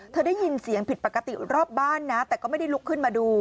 ได้ยินเสียงผิดปกติรอบบ้านนะแต่ก็ไม่ได้ลุกขึ้นมาดู